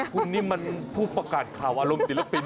คุณนี่มันผู้ประกาศข่าวอารมณ์ศิลปิน